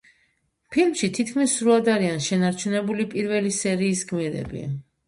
ფილმში თითქმის სრულად არიან შენარჩუნებული პირველი სერიის გმირები.